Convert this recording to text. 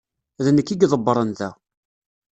D nekk i iḍebbiren da.